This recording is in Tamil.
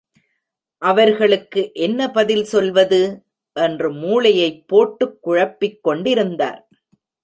அவர்களுக்கு என்ன பதில் சொல்லுவது? என்று மூளையைப் போட்டுக் குழப்பிக்கொண்டிருந்தார்.